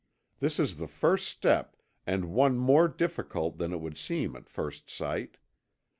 This is the first step and one more difficult than it would seem at first sight.